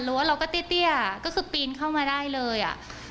รู้ว่าเราก็เตี้ยอ่ะก็คือปีนเข้ามาได้เลยอ่ะ